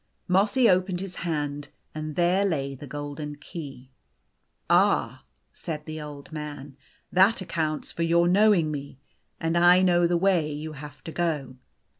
Mossy opened his hand, and there lay the golden key. " Ah !" said the Old Man, " that accounts for your knowing me. And I know the way you have to go."